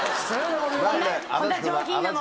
こんな上品なもの。